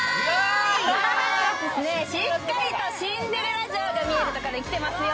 我々はしっかりとシンデレラ城が見えるところに来ていますよ。